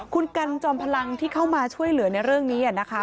คุณกัลจอมพลังที่เข้ามาช่วยเหลือนี้เนี่ยนะคะ